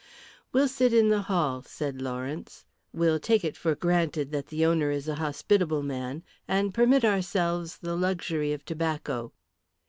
"We'll sit in the hall," said Lawrence. "We'll take it for granted that the owner is a hospitable man, and permit ourselves the luxury of tobacco."